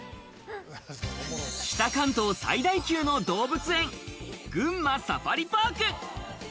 北関東最大級の動物園、群馬サファリパーク。